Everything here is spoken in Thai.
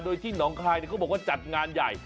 โดยที่หนองคลายเขาบอกว่าจัดงานใหญ่